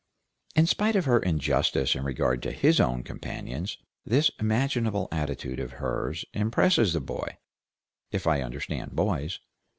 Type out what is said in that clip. In spite of her injustice in regard to his own companions, this imaginable attitude of hers impresses the boy, if I understand boys.